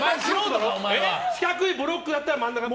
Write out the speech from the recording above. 四角いブロックだったら真ん中から。